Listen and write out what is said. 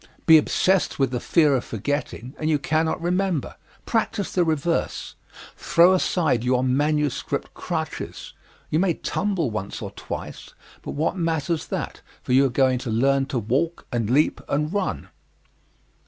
Be obsessed with the fear of forgetting and you cannot remember. Practise the reverse. Throw aside your manuscript crutches you may tumble once or twice, but what matters that, for you are going to learn to walk and leap and run.